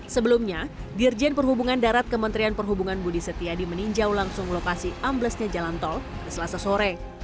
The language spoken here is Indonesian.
sebelumnya dirjen perhubungan darat kementerian perhubungan budi setiadi meninjau langsung lokasi amblesnya jalan tol selasa sore